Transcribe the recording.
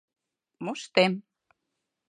— Моштем.